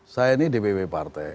saya ini dpw partai